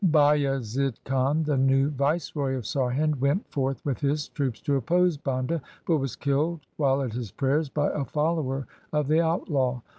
Bayazid Khan, the new viceroy of Sarhind, went forth with his troops to oppose Banda, but was killed while at his prayers by a follower of the outlaw.